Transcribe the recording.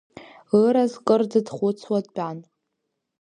Ыраз кырӡа дхәыцуа дтәан.